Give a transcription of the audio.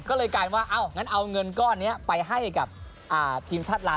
ก็เลยกลายว่าเอางั้นเอาเงินก้อนนี้ไปให้กับทีมชาติลาว